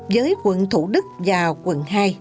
với quận thủ đức và quận hai